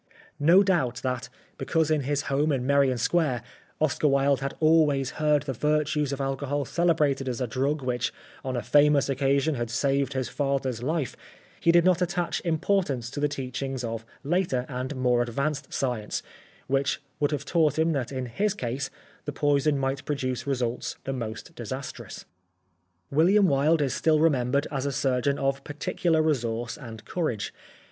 No doubt that, because in his home in Merrion Square, Oscar Wilde had always heard the virtues of alcohol celebrated as a drug which on a famous occasion had saved his father's life, he did not attach importance to the teach ings of later and more advanced science, which would have taught him that in his case the poison might produce results the most disastrous. William Wilde is still remembered as a surgeon of particular resource and courage.